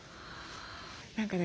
何かね